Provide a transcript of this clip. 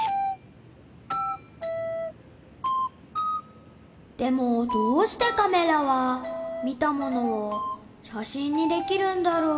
心の声でもどうしてカメラは見たものを写真にできるんだろう？